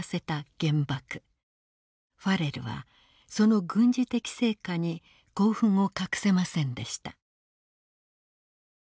ファレルはその軍事的成果に興奮を隠せませんでした。